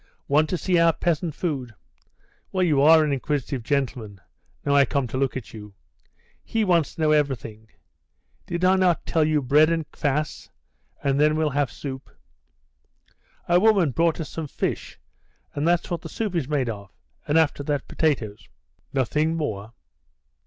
"Want to see our peasant food? Well, you are an inquisitive gentleman, now I come to look at you. He wants to know everything. Did I not tell you bread and kvas and then we'll have soup. A woman brought us some fish, and that's what the soup is made of, and after that, potatoes." "Nothing more?"